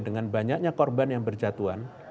dengan banyaknya korban yang berjatuhan